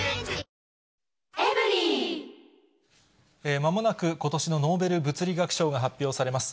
まもなくことしのノーベル物理学賞が発表されます。